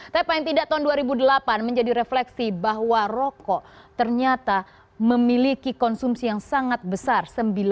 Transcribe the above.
tapi paling tidak tahun dua ribu delapan menjadi refleksi bahwa rokok ternyata memiliki konsumsi yang sangat besar